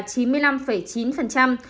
đủ hai mũi là ba mươi bảy bảy